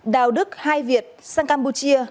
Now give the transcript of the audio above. đào đức hai việt sang campuchia